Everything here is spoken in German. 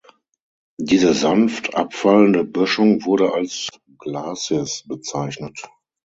Diese sanft abfallende Böschung wurde als Glacis bezeichnet.